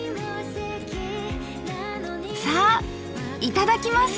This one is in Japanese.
さあいただきます！